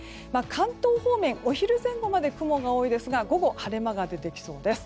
関東方面はお昼前後まで雲が多いですが午後、晴れ間が出てきそうです。